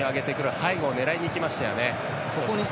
背後を狙いにいきましたよね。